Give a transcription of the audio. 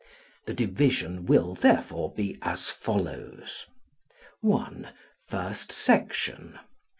The division will, therefore, be as follows: 1 FIRST SECTION.